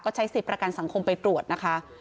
ก็ใช้๑๐ประกันสังคมไปตรวจนะคะ